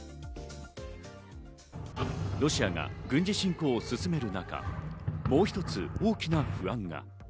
ロシアが軍事侵攻を進める中、もう一つ大きな不安が。